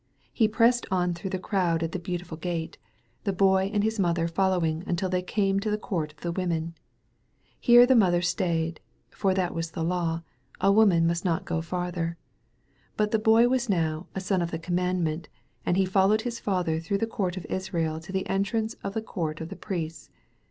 He pressed on through the crowd at the Beautiful Gate, the Boy and his mother following until th^ came to the Court of the Women. Here the mother stayed, for that was the law — a woman must not go farther. But the Boy was now *'a son of the Command ment," and he followed his father through the Court of Israel to the entrance of the Court of the Priests.